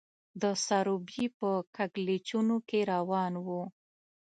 د سروبي په کږلېچونو کې روان وو.